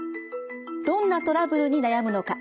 どんなトラブルに悩むのか。